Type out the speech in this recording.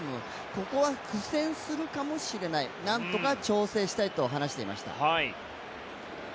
ここは苦戦するかもしれないなんとか調整したいと話していました。